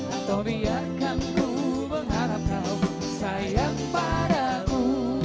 atau biarkan ku mengharap kau sayang padaku